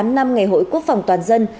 hai mươi tám năm ngày hội quốc phòng toàn dân